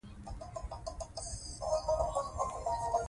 غیبت کول د مړي د غوښې خوړلو په څېر دی.